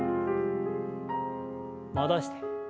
戻して。